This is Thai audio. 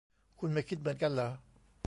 คุณไม่คิดเหมือนกันหรอ